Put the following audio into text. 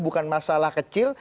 bukan masalah kecil